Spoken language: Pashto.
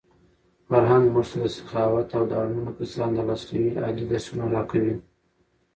فرهنګ موږ ته د سخاوت او د اړمنو کسانو د لاسنیوي عالي درسونه راکوي.